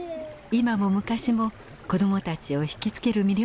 今も昔も子供たちをひきつける